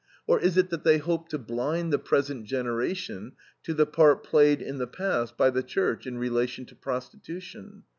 Or is it that they hope to blind the present generation to the part played in the past by the Church in relation to prostitution?